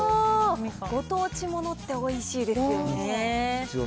ご当地ものっておいしいですよね。